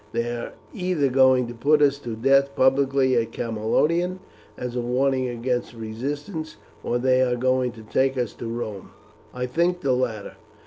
"They are either going to put us to death publicly at Camalodunum, as a warning against resistance, or they are going to take us to Rome. I think the latter.